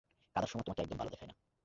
কাঁদার সময় তোমাকে একদম ভালো দেখায় না।